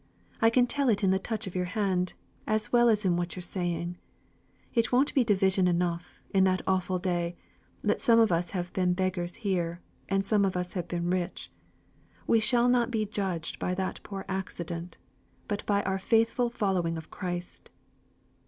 I can tell it in the touch of your hand, as well us in what you're saying. It won't be division enough, in that awful day, that some of us have been beggars here, and some of us have been rich, we shall not be judged by that poor accident, but by our faithful following of Christ."